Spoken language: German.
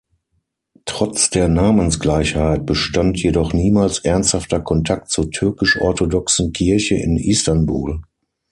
Trotz der Namensgleichheit bestand jedoch niemals ernsthafter Kontakt zur türkisch-orthodoxen Kirche in Istanbul.